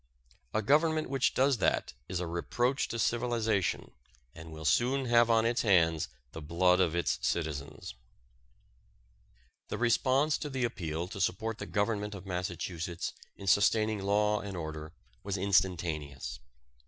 A government which does that is a reproach to civilization and will soon have on its hands the blood of its citizens. The response to the appeal to support the Government of Massachusetts in sustaining law and order was instantaneous.